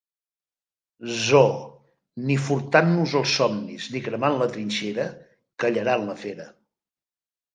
zoo: "ni furtant-nos els somnis, ni cremant la trinxera... callaran la fera"